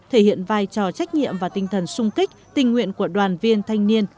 thể hiện vai trò trách nhiệm và tinh thần sung kích tình nguyện của đoàn viên thanh niên